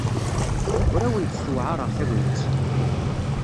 Ur awent-ssewɛaṛeɣ tagnit.